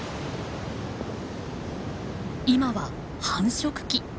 今は繁殖期。